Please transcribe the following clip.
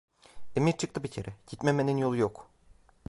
Emir çıktı bir kere, gitmemenin yolu yok!